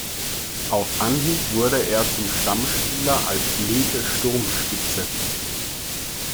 Auf Anhieb wurde er zum Stammspieler als linke Sturmspitze.